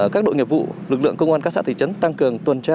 các đội nghiệp vụ lực lượng công an các xã thị trấn tăng cường tuần tra